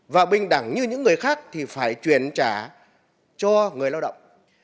và bình đẳng như những người khác thì phải chuyển trả cho người lao động